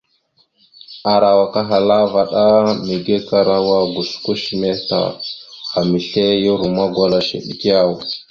Arawak ahala vvaɗ : mege karawa gosko shəmeh ta, amesle ya romma gwala shew ɗek yaw ?